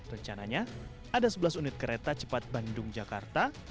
rencananya ada sebelas unit kereta cepat bandung jakarta